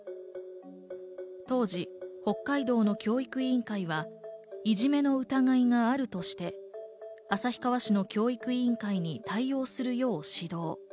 当時、北海道の教育委員会は、いじめの疑いがあるとして旭川市の教育委員会に対応するよう指導。